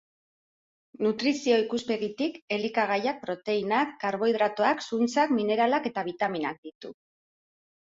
Nutrizio-ikuspegitik, elikagaiak proteinak, karbohidratoak, zuntzak, mineralak eta bitaminak ditu.